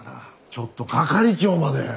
ちょっと係長まで！